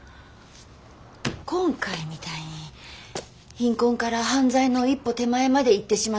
今回みたいに貧困から犯罪の一歩手前までいってしまった児童。